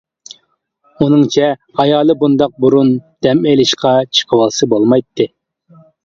ئۇنىڭچە ئايالى بۇنداق بۇرۇن دەم ئېلىشقا چىقىۋالسا بولمايتتى.